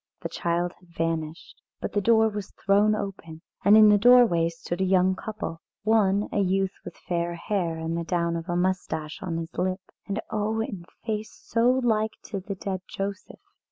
The child had vanished. But the door was thrown open, and in the doorway stood a young couple one a youth with fair hair and the down of a moustache on his lip, and oh, in face so like to the dead Joseph.